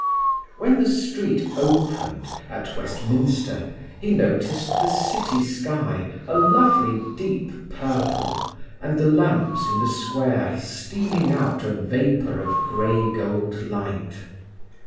When the street opened, at Westminster, he noticed the city sky, a lovely deep purple, and the lamps in the square steaming out a vapour of grey gold light.